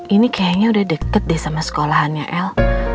ini kayaknya udah deket deh sama sekolahannya l